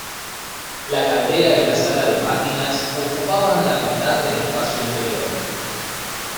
La caldera y la sala de máquinas ocupaban la mitad del espacio interior.